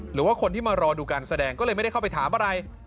หรือว่าคนที่มารอดูการแสดงก็เลยไม่ได้เข้าไปถามอะไร